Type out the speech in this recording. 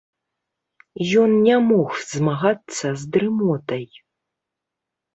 Ён не мог змагацца з дрымотай.